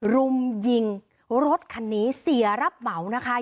รุมยิงรถคันนี้เสียรับเหมานะคะ